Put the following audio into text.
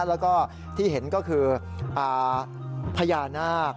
แล้วก็ที่เห็นก็คือพญานาค